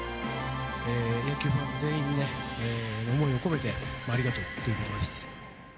野球ファン全員に、思いを込めて、ありがとうということばです。